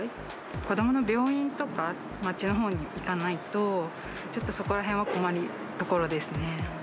子どもの病院とか、町の方に行かないと、ちょっとそこらへんは困りどころですね。